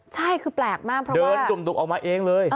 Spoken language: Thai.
ใช่คือแปลกมากเพราะว่าเดินดุ่มออกมาเองเลย